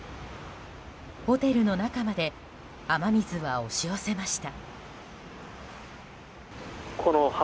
ホテルの中まで雨水は押し寄せました。